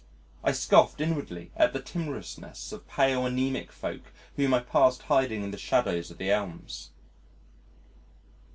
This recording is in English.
I scoffed inwardly at the timorousness of pale, anæmic folk whom I passed hiding in the shadows of the elms.